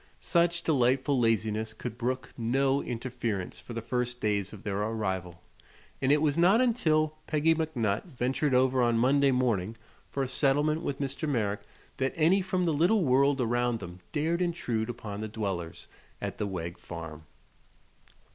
Such delightful laziness could brook no interference for the first days of their arrival, and it was not until Peggy McNutt ventured over on Monday morning for a settlement with Mr. Merrick that any from the little world around them dared intrude upon the dwellers at the Wegg farm.